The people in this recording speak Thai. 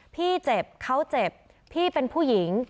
พี่เจ็บเขาเจ็บพี่เป็นผู้หญิง